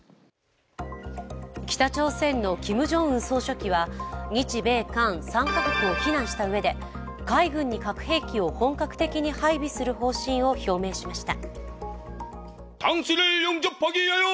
北朝鮮のキム・ジョンウン総書記は日米韓３か国を非難したうえで海軍に核兵器を本格的に配備する方針を表明しました。